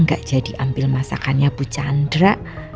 gak jadi ambil masakannya bu chandra